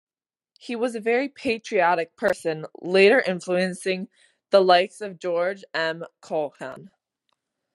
He was a very patriotic person later influencing the likes of George M. Cohan.